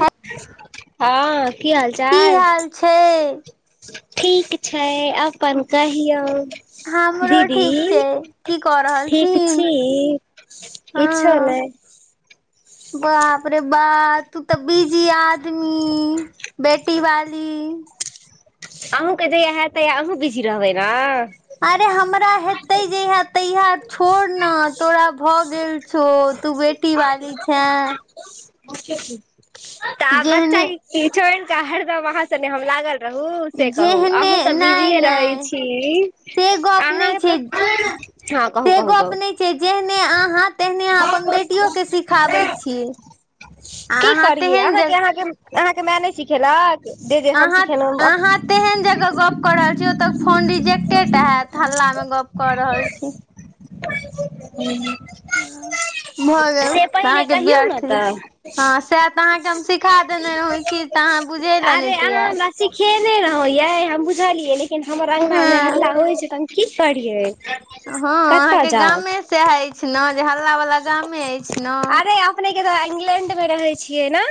हं। हँ की हाल चाल, छै ठीक छै अब अपन कहियौ। हमरो ठीक दीदी छै की कऽ रहल छी ठीक छी। किछो नहि।। बापरे बा तू तऽ बीजी आदमी बेट बेटी वाली अहूँके जहिया हयत तहिया अहूँ बिजी रहबै ने अरे हमरा हेतै जहिया तहिया छोड़ ने तोरा भऽ गेल छौ तू बेटी वाली छें। तऽ आब जेहने बच्चा के छोड़ि कऽ हरदम अहाँ संगे हम लागल रहू रहू से कहू जेहने अहूँ तऽ नहि बिजीए रहै नहि छी। से गप नहि अहाँ छै, तऽ हँ कहू से कहू गप कहू नहि छै जेहने अहां तेहने अहाँ अपन बेटियो के सिखाबै छियै आ की अहाँ करियै तेहन जे अहाँके अहाँके अहाँके माय नहि सिखेलक जे जे हम अहां सिखेलहुँ अहाँ तेहन जगह गप कऽ रहल छी ओतऽ फोन रिजेक्टेड हैत हल्लामे गप कऽ रहल छी। ह [unintelligible] भऽ गेल पहिले अहाँके कहियौ ने व्यर्थे तऽ हँ, सएह तऽ अहाँके हम सिखा देने रहौं तऽ अहाँ बुझै ले नहि तैयार चेने ने होइयै हम बुझलियै, लेकिन हमर अङ्गना मे हँ हल्ला होइ छै तऽ हम की करियै हँ, कतऽ अहाँके जाउ गामे सएह अछि ने जे हल्लावला गामे अछि ने अरे अपने के त इंग्लैंड में रहे छियै ने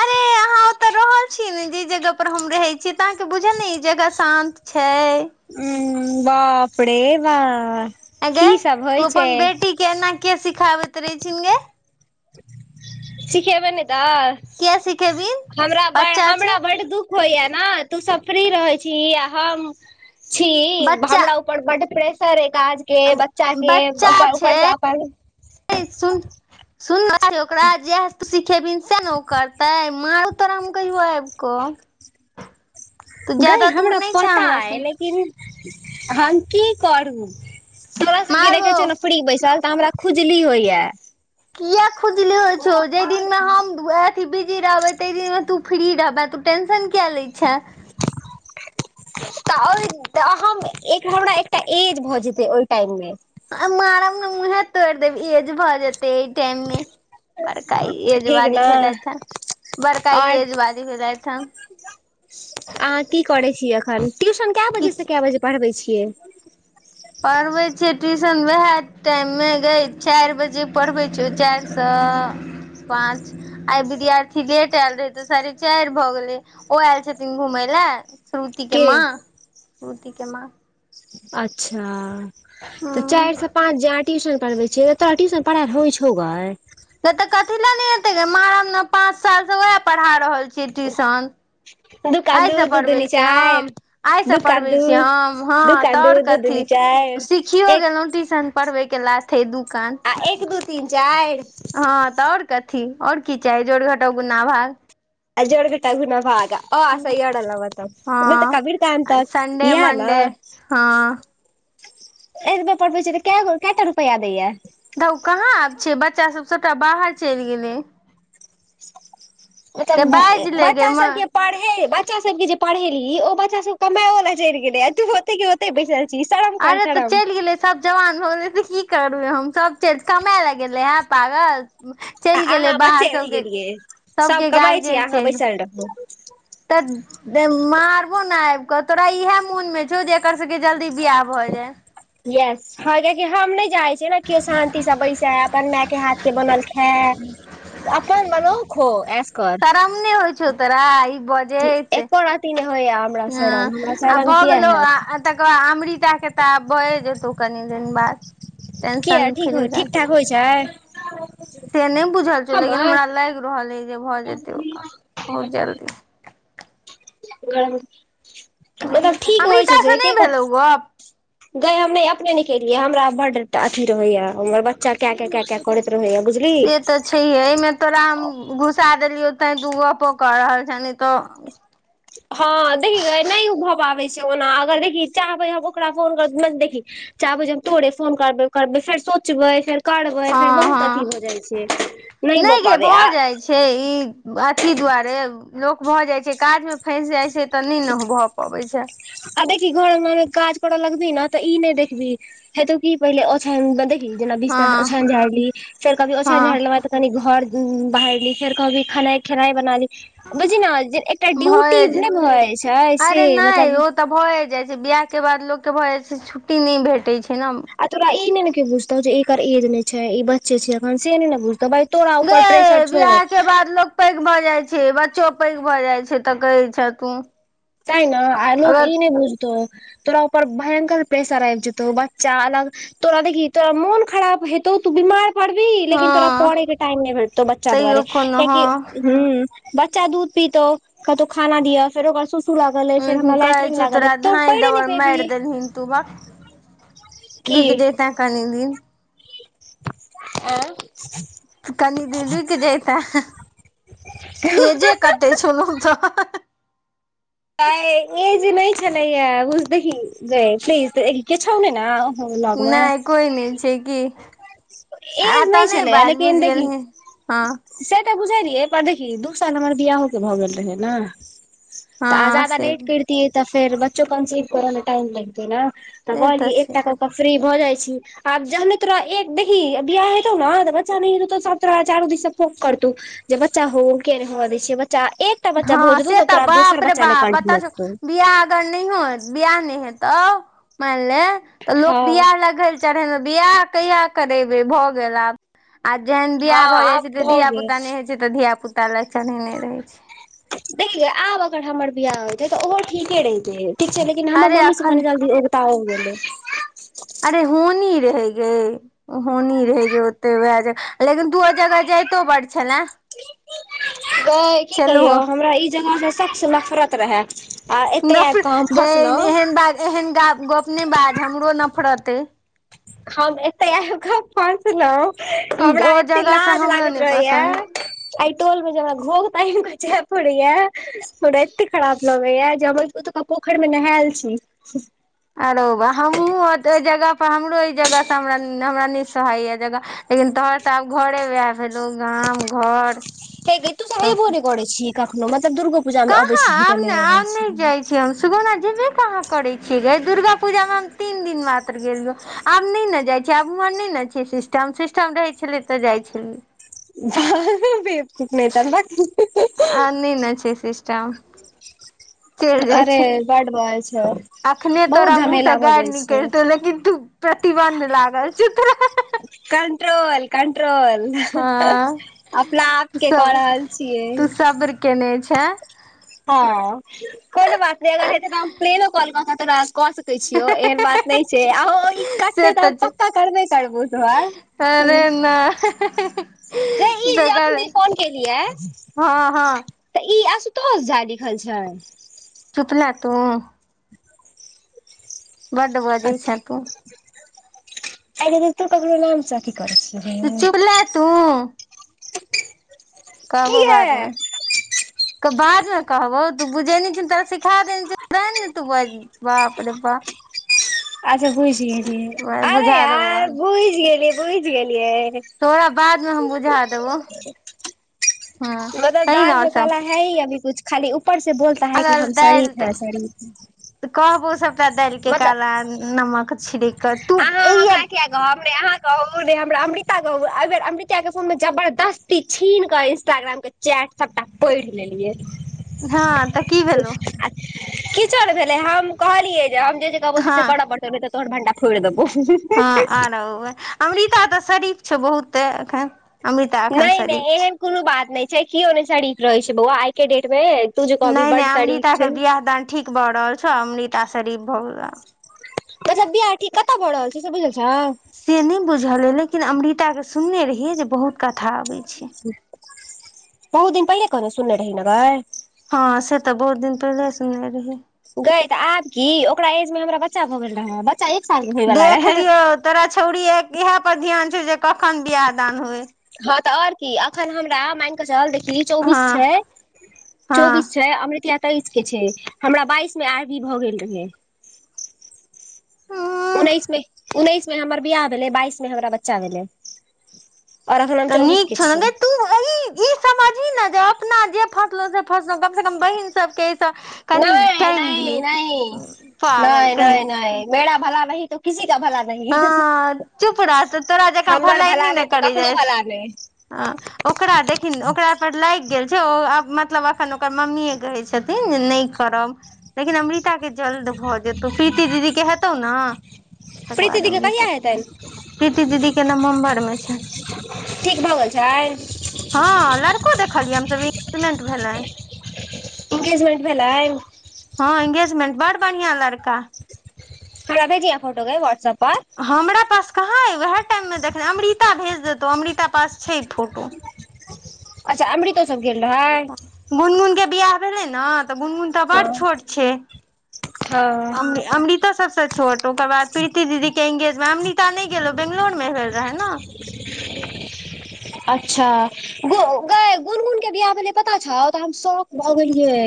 अरे अहाँ ओतऽ रहल छी ने जै जगह पर हम रहै छी तऽ अहाँ के बुझल ने ई जगह शांत छै। उ बाप रे बा, ऐ गै की सब तू होइ छै अपन बेटी एना किया सिखाबैत रहै छी यै सिखेबै ने तऽ किया सिखेबीन हमरा भाइ बच्चा छै हमरा भाइ के दुख होइये ने तू सब फ्री रहै छीही हम छी बच्चा हमरा बड प्रेशर अछि काज के, बच्चा के ऊपरसँ अपन ऐ सुन सुन ओकरा जयह सीख खेबही सैह ने ओ करतै, मारबौ तोरा हम कहियो आबि कऽ तू गई ज्यादा दूर हमरा नहि छै पता हमरा सँ अछि लेकिन हम की करू तोरा सब के देखेै मारबो छेलौ खुपरी बैसल तऽ हमरा खुजली होइया किया खुजली होइ छौ। जैय दिनमे हम अथी बिजी रहबै तैय दिनमे तू फ्री रहबें तू टेंशन किए लै छेँं। [unintelligible] तऽ ओय तऽ एक हमरा एकटा एअज भऽ जेतेै ओय टाइम मे मारब ने मुँहे तोइड़ देब एअज भऽ जेतै एय टाइम मे बड़का एज ठीक वाली ने भेलैथ हेँं बड़का एज वाली भेलैथ हेँं। आहाँ की करै छीयै एखन ट्यूशन कए बजे किछ सँ कए बजे पढ़बै छियै। पढ़बै छियै ट्यूशन उएह टाइम मे जै चैर बजे पड़बै छैय चैर सँ पाँच आय विद्यार्थी लेट एयल रहे तऽ साढ़े चैर भऽ गेलै ओ एयल छथिन घूमैय लए श्रुति के माँ श्रुति के माँ अच्छा तऽ हँ चैर सँ पाँच जे आहाँ ट्यूशन पढ़बेै छियै तोरा ट्यूशन पड़ेल होय छौ गेै ततऽ कथी लए ने हेतै गे महारा ने पाँच सालसँ उएह पढ़ा रहल छियै ट्यूशन। दूकान आय दू सँ दू पढ़बेै दूनी छियै हम चारि आयसँ दूकान पढ़बेै दू छियै हम हँ दूकान तऽ दू और दू कथी दूनी चारि सिखियो एक गेलौ ट्यूशन पढ़बेै के लाथे दु कान। आ एक, दू, तीन, चैर। हँ, तऽ और कथी ओर की चाही जोड़, घटाव, गुना भाग। आ जोर, घटाव घुना भागा। अ, आ से य, र, ल, व तक नै तऽ हँ कबीर कान तक संडे याह मंडे नऽ। हँ एतबे पढ़बै छियै कए गो केएटा रुपैआ देैया। धौउ कहाँ छै बच्चा सब सबटा बाहर चैल गेलै। ओ तब रे न बाजि ले गे बच्चा माँ सब के पड़हे बच्चा सब के जे पड़हेलही ओ बच्चा सब कमेओ लए चैल गेलेै तू ओतै के ओेतेै बैसल छी शरम कर अरे तऽ शरम चैल गेलै। सब जवान भऽ गेलेै तऽ की करबै हम सब चैल कमेए लेए गेलेै हेंँ पागल। आ चैल गेलै अहाँ बाहर बच्चे रहि सबके गेलियै सब -सबके कमाइ छी गार्जियन छै। [unintelligible] तऽ [unintelligible] मारबो ने आइब कऽ तोरा इहे मोन मे छौ जे एकर सबके जल्दी बियाह भऽ जाय। यस हँ कियाकि हम नै चाहै छियै ने कियो शान्ति से बैसे है अपन मेय के हाथ के बनल खेए। अपन बनो खो एस शरम नई होय छौ तोरा ई बजेैत एको रती नहि होइया हमरा हँ। शरम हमरा आब शरम भऽ किया गेलौ हैत आ तकर बाद अमृता के तऽ आब भए जेतौ कनि दिन बाद। टेंशन फ्री राख। चैय। से नै बुझल छौ लेकिन हमरा लाइग रहल अइ जे भऽ जेतै ओकर बहुत जल्दी। मतलब ठीक होइ छै जे अमृतासँ नहि के कह भेलौ गप गैय हम नै अपने केलियै हमरा बड अथी रहेै या हमर बच्चा के कें कें कें कें करैत रहैया बुझलीही। छैेहे अइ मे तोरा हम घुसा देलियौ तेै तु गपो कऽ रहल छें नै तऽ। हँ देखीगे नै भऽ पाबै छै ओना अगर देखी चाहबै ओकरा फोन कर देखी चाहबय जे तोड़े फोन करबै करबै फेर सोचबै फेर करबै फेर हँ बहुत अथी हँ भ जाइ छैय नहि भऽ पाबैये आ आ छैय ई अथी दुआरे लोक भऽ जाइ छैय काजमे फँसि जाइ छैय तऽ नहि ने भऽ पबैत छैय। आ देखि घरमे म काज कर लगबी ने तऽ ई नहि देखबी हेतौ की पहिले ओछान बदैल ली जेना बिस्तर हँ ओछान झाइड़ली फेर कहभी हँ ओछान झाइड़लेबे त कनि घर बहाइरली फेर कहबी खेनाइ खेनाइ बना ली बुझी ने जे एकटा ड्यूटी भए जा नहि भऽ जाइ छैय से अरे नहि मतलब ओ तऽ भए जाइ छैय बियाह के बाद लोकके भऽ जाइ छैय छुट्टी नहि भेटै छैय ने। आ तोरा ई नहि ने क्यो बुझतौ जे एकर एज ने छैय ई बच्चे छैय अखन से नहि ने बुझतौ भाइ गै बिआहके बाद लोक पैघ भऽ जाइ छैय बच्चो पैघ भऽ जाइ छैय तऽ कहै छैं तू। तै ने आ लोक ई नहि बुझ तौ तोरा उपर भयंकर प्रेसर आबि जेतौ बच्चा अलग। तोरा देखी तोरा मन खराब हेतौ त बीमार परभी हँ लेकिन तोरा पड़यके टाइम नहि भेटतौ बच्चा तैयो दुआारे कोनो हँ कियाकि, हँ। बच्चा दूध पीतौ कहतो खाना दिय फेर ओकर लागल अइ फेर ह हमरा कहै लैट्रिन छौ लागल अइ तोरा तऽ धाँइ पढ़े नहि दबड़ पेबही मारि देलही तू भक। रूइक जेत कनि दीन। एँ। कनि दिन रुकि जैतें। एजे कते छलहु तो गै एज नहि छलैये बुझ देखी गै प्लीज क्यो छौ ने ने। लगमे नहि कोइ नहि छै कि। आ एज तऽ नहि छलैया बाजि लेकिन बुझि देखी गेलही हँ। से तऽ बुझलियै पर देखी दू साल हमर बियाहोक भऽ गेल रहै ने। त आ हँ जादा से लेट करतीयै तऽ फेर बच्चो कंसीव करऽ मे टाइम लगतै ने। तऽ से कहलियै छै एकटा कऽ क फ्री भऽ जाइ छी। आब जहने तोरा एक देखही बियाह हेतौ ने त बच्चा नय हेतौ तो सभ तोरा चारू दिस से पोक करतौ जे बच्चा हो किए नय होव दै छियै बच्चा एक हँ से तऽ बाप रे बाप पता मौकतौ बि अगर नहियो बियाह नहि हेतौ मानि ले त लोक हँ बियाह लग चढ़ेने बियाह कहिया करेबे भऽ गेल आब। आ जेहन हँ वियाह भऽ जाइ आब छैय तऽ भऽ धिया गेल पुता नहि होइ छैय तऽ धिया पुता ले चढ़ेने रहैत छैय। देखी गै आब अगर हमर बियाह होेयतै तऽ ओहो ठीके रहिते। ठीक छैय लेकिन हमर अरे मम्मीसँ अखन कनि जल्दी उगताओ गेलै। अरे होनी रहय गै। ओ होनी रहै जे ओते वएह जगह लेकिन तू ओ जगह जाइतो बड़ छले। गै की कहियौ छलहो हमरा ई जगह से सच्छ नफरत रहए। नफ गै एहन बात गप नय बाज हमरो नफरत अइ। हम एते आबिके फसलहुँ ई हमरा ओ एते जगह से लाज हमरो लागैत नहि रहैया। पसन्द आइ टोल मे जे हमरा घोघ तानिके जाय पड़ैया। हमरा एते खराब लगैया जे हम ओतुका पोखरिमे नहायल छी। आरो बा हमहूँ ओहि जगहपर हमरो एहि जगहसँ हम हमरा नहि सोहाइए जगह। लेकिन तोहर तऽ आब घरे वएह भेलहु गाम, घर। हे गै तू त ऐबो सबटा नहि करे छी कखनो मतलब दुर्गो पूजामे अबै कहाँ छीही आब त ने नहि आब अबैत छी। जाइ हम सुगौना जेबे कहाँ करै छियै गै, दुर्गापूजा में हम तीन दिन मात्र गेलियौ। आब नहि ने जाइ छैै, आब ओम्हर नहि ने छै सिस्टम, सिस्टम रहै छलै तऽ जाइ छलियै। भऽ भ खूफ नहि त। आ नहि ने छै, सिस्टम। चलि जाइ अरे छी, बड बाजै छै अखने तोरा बहुत मुँह से झमेला भऽ गारि जाइ छै निकलतौ, लेकिन तू। प्रतिबन्ध लागल छौ तोरा। कंट्रोल-कंट्रोल। हँ अपना आपके कऽ रहल छियै। कयने छै। हँ, कोनो बात नइ अगर हेतै तऽ फेरो काँल कऽ के तोरा कऽ सकै। कहै छियौ, एहन बात नहि छै आ ई से कटतै तऽ छै पक्का करबे करबौ तोहर। अरे, न। गै ई जे गग, अखन र जे फोन केलियै हँ हँ। तऽ ई आशुतोष झा लिखल छै। चुप ले तो। [unintelligible] बड्ड बजै छैं तू। अगैं तु ककरो नामसँ अथि करै छीही। तू चुपला तू कहबो किया बाद में। क बाद में कहबौ, तू बुझेने छीही तोरा सिखा देने छी ने तू ब। बापरे बा। अच्छा बुइझ गेलिये, अरे बुझा देबो यार बादमे बुइच गेलि। बुइझ गेलियै। तोरा बादमे हम बुझा देबो हँ मतलब कही ने दाल आओर में सब काला है। है ही अभी कुछ, खाली ऊपर से बोलता है कि अगर हम दालि सरीफ हैं, सरीफ है। तऽ कहबो सभटा दालिक के मतलब काला नमक छिड़ैक। अहाँ हमरा किया कह हम अहाँ। कहु ने हमरा अमृता कह अइबेर अमृता के फोन में जबरदस्ती छीन कऽ इंस्टाग्राम के। चैट सबटा पढ़ि लेलियै। हँ तऽ की भेलौहु। किछौ ने भेलै, हम कहलियै जे हम जे-जे कहबो से-से हँ करऽ पड़तौ, नइ तोहर भंडा। फोड़ देबौ। हँ आरोबहि, अमृता तऽ शरीफ छौ बहुते एखन। अमृता एखन नइ- शरीफ नइ एहन छै कोनो बात नहि छै, किओ ने सरीफ रहे छै बौआ आइ के डेट में। नइ-नइ अमृता के बियाह दान ठीक भऽ रहल छौ, अमृता शरीफ भऽ गेलौ आब। अच्छा बियाह ठीक कतऽ भ रहल छै, से बुझहल छौ। से नइ बुझल अइ लेकिन अमृता के सुनने रहिये जे बहुत कथा अबै छै। बहुत दिन पहिले, कहने सुनने रही न गै। हँ से तऽ बहुत दिन पहिले सुनने रहीय। गय तऽ आब की ओकरा एज में हमरा बच्चा भऽ गेल रहए। च्चा एक साल के। होय वाला देख रहै लियौ तोरा छौड़ी इएह पर ध्यान छौ जे कखन बियाह दान होए। हँ तऽ आऔर की एखन हमरा मानि कऽ चल देखी। चौबीस हँ छै, हँ चौबीस छै, अमृतिया। तैइस के छै हमरा बाइस में आरभी भऽ गेल रहयै। उम्म उन्नैस मे उन्नैस मे हमर बियाह भेलै बाइस मे हमरा बच्चा भेलै। आओर अखन हम तऽ चौबीस नीक के छौ ने गै छियै तू अही ई समझी ने जे अपना जे फसलहुं से फसलहु कम से कम बहिन सबके ऐ स कनि नहि टेंग नहि दिये नहि पागल नहि कहीं नहि [unintelligible] नहीं हँ चुप रह तऽ तोरा जकाँ हमर भलानै तऽ ककरो भलानै। आ ओकरा देखिन ओकरा पर लागि गेल छै ओ मतलब अखन ओकर मम्मीए कहै छथिन जे नहि करब लेकिन अमृता के जल्द भऽ जेतौ प्रीति दीदी के हेतौ न प्रीतिदि केे कहिया हेतेन? प्रीति दीदी के नवम्बर मे छेन। ठीक भऽ गेल छै। हँ लड़को देखलियै हमसभ एंगेजमेंट भेले। एंगेजमेंट भेलैन। हँ एंगेजमेंट बड़ बढ़िआँ लड़का। हमरा भेजिहँ फोटो गै वाट्सप पर। हमरा पास कहाँ अइ ओएह टाइममे देखने अमृता भेज देतो अमृता पास छै फोटो। अच्छा अमृतो सब गेल रहै? गुनगुन के बियाह भेले ने तऽ गुनगुन तऽ हँ बड़ छोट छै। हँ [unintelligible] अमृता सबसँ छोट ओकर बाद प्रीति दीदी के एंगेजमेंट अमृता नहि गेलो बेैंगलोर मे भेल रहेनि न। अच्छा। गे गुनगुन के बियाह भेलै पता छौ त हम शौक भऽ गेलियै।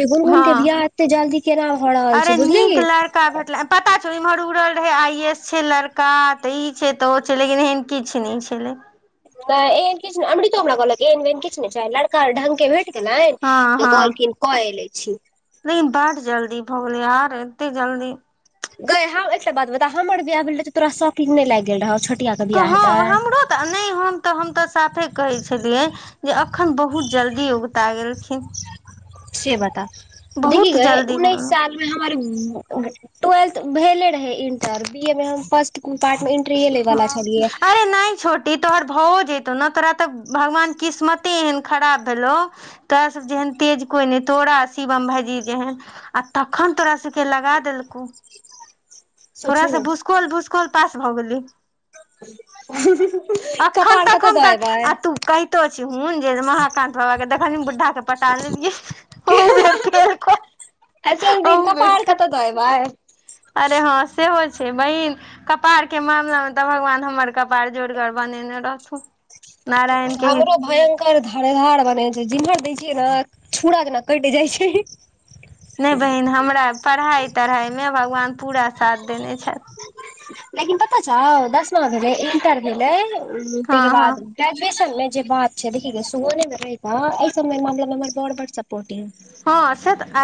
जे गुनगुन हँ के बियाह एते जल्दी केना भ रहल छै बुझली। [unintelligible] भेटल पता छौ इमहर उड़ल रहे आई एस छै लड़का तऽ ई छै तऽ ओ छै लेकिन [unintelligible] किछ नहि छलै। नै एहन किछ ने अमृतो हमरा कहलक गै एहन बहिन किछू नहि छय लड़का ढंङके भेट [unintelligible] हँ हँ कहलखिन कएले छी। लेकिन बड जल्दी भऽ गेलै यार एते जल्दी गै एकटा बात बता हमर बियाह भेल रहै तोरा शौकिंग नहि लागि गेल रहौ छोटिया के तऽ बियाह हँ हेतै हमरो तऽ नहि हम तऽ हम तऽ साफे कहै छलियै जे अखन बहुत जल्दी ओगता गेलखिन। से बता देखी बहुत गय जल्दी उन्नैस साल हमर टूवेल्थ भेले रहै इन्टर बी ए मे हम फस्ट पार्ट में हँ अरे नहि छोट ई तोहर भऽओ जइतौ ने तोरा तऽ भगवान किस्मते एहन खराब भेलौ तोरा सभ जेहेन तेज कोइ नहि तोरा शिवम भाइजी जेहेन। आ तखन तोरा सख लगा देलको थोड़ा सोचही से भुसकोल भुसकोल पास भऽ गेलै। ह [unintelligible] अखन तक हम त आ तू कहितो छी हुन जे महाकान्त बाबा के देखनि बुद्ढा के पटा लेलिये [unintelligible] [unintelligible] कपार कतय देय आइबे। अरे हँ सेहो छै बहिन कपार के मामलामे तऽ भगवान हमर कपार जोरगर बनेने रहथु। हमरे भयं कर धरे धार बनेने छै जिम्हर दै छियै ना छूरा जेना कटि जाइ छै। हे हे। नहि बहिन हमरा पढ़ाइ तढ़ाइमे भगवान पूरा साथ देने छथि। लेकिन पता छौ दसमा भेलै इन्टर भेलै तैके हँ हँ बाद ग्रेजुएशन मे जे बात छै देखही ने [unintelligible] में रहीक अइ सब मामला मे हमर बड़ बड सपोर्टिव। हँ से त आइ